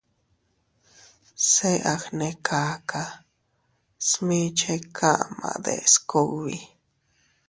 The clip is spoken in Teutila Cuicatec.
Se a gnekaka smiche kama deʼes kugbi.